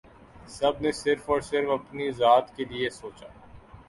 سب نے صرف اور صرف اپنی ذات کے لیئے سوچا